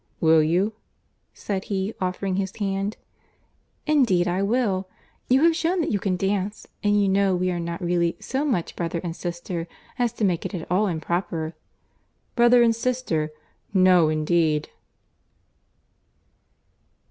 "Will you?" said he, offering his hand. "Indeed I will. You have shewn that you can dance, and you know we are not really so much brother and sister as to make it at all improper." "Brother and sister! no, indeed."